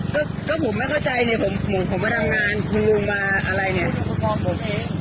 ก็ก็ผมไม่เข้าใจเนี่ยผมผมมาทำงานคุณลุงมาอะไรเนี่ย